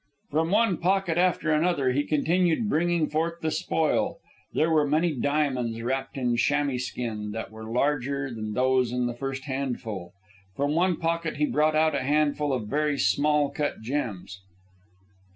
From one pocket after another he continued bringing forth the spoil. There were many diamonds wrapped in chamois skin that were larger than those in the first handful. From one pocket he brought out a handful of very small cut gems.